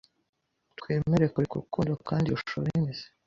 twemere kureka urukundo Kandi dushore imizi